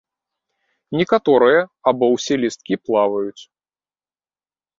Некаторыя або ўсе лісткі плаваюць.